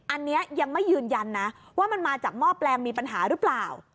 อันนี้ยังไม่ยืนยันนะว่ามันมาจากหม้อแปลงมีปัญหาหรือเปล่า